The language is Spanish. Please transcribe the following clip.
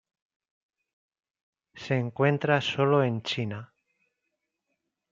Se encuentra solo en China.